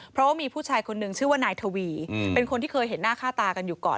เพราะว่ามีผู้ชายคนนึงชื่อว่านายทวีเป็นคนที่เคยเห็นหน้าค่าตากันอยู่ก่อน